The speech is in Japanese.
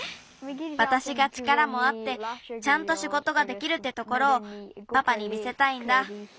わたしが力もあってちゃんとしごとができるってところをパパに見せたいんだ。